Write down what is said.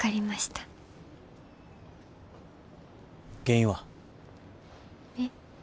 原因は？え？